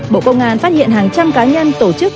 bộ công an phát hiện hàng trăm cá nhân tổ chức